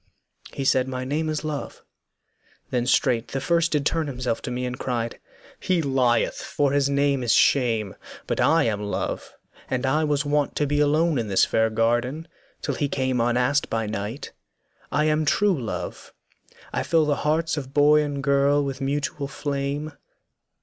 He said, 'My name is Love.' Then straight the first did turn himself to me And cried, 'He lieth, for his name is Shame, But I am Love, and I was wont to be Alone in this fair garden, till he came Unasked by night; I am true Love, I fill The hearts of boy and girl with mutual flame.'